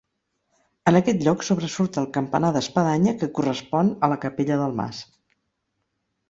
En aquest lloc sobresurt el campanar d'espadanya que correspon a la capella del mas.